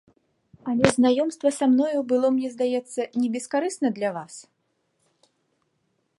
Але знаёмства са мною было, мне здаецца, небескарысна для вас?